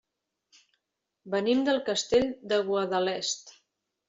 Venim del Castell de Guadalest.